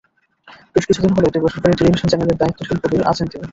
বেশ কিছুদিন হলো একটি বেসরকারি টেলিভিশন চ্যানেলের দায়িত্বশীল পদে আছেন তিনি।